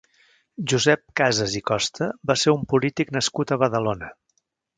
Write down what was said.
Josep Casas i Costa va ser un polític nascut a Badalona.